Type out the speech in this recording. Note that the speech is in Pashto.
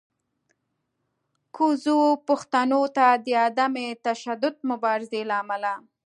کوزو پښتنو ته د عدم تشدد مبارزې له امله